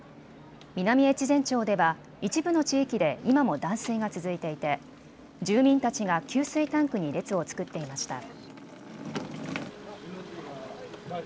南越前町では一部の地域で今も断水が続いていて住民たちが給水タンクに列を作っていました。